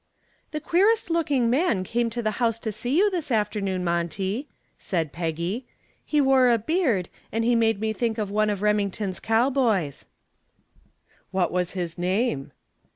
"The queerest looking man came to the house to see you this afternoon, Monty," said Peggy. "He wore a beard and he made me think of one of Remington's cowboys." "What was his name?"